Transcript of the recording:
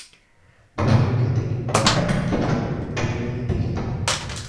ভবানীকে তিনি বয়ঃপ্রাপ্ত বালক বলিয়াই দেখিতেন।